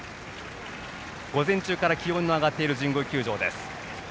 午前中から気温が上がっている神宮球場です。